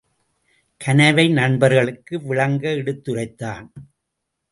கனவை நண்பர்களுக்கு விளங்க எடுத்துரைத்தான்.